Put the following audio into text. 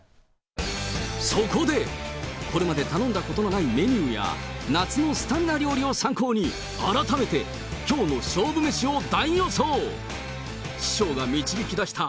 そこで、これまで頼んだことのないメニューや、夏のスタミナ料理を参考に、改めてきょうの勝負メシを大予想。